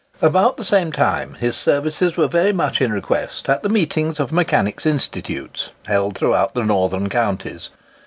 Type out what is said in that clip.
About the same time, his services were very much in request at the meetings of Mechanics' Institutes held throughout the northern counties.